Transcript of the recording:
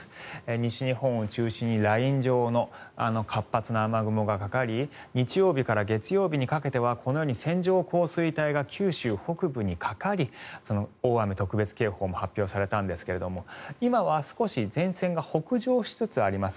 西日本を中心にライン状の活発な雨雲がかかり日曜日から月曜日にかけてはこのように線状降水帯が九州北部にかかり大雨特別警報も発表されたんですが今は少し前線が北上しつつあります。